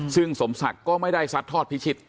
ซึ่งสมศักดิ์ก็ไม่ได้ซัดทอดพิชิต